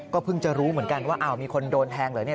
เพิ่งจะรู้เหมือนกันว่าอ้าวมีคนโดนแทงเหรอเนี่ย